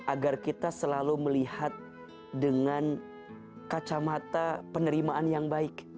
agar kita selalu melihat dengan kacamata penerimaan yang baik